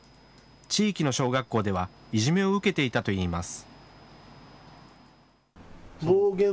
地域の小学校ではいじめを受けていたといいます。